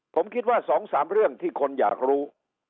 ผมคิดว่า๒๓เรื่องที่คนอยากรู้